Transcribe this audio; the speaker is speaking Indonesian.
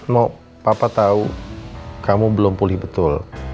no papa tau kamu belum pulih betul